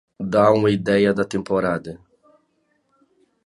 Dá uma ideia da temporada.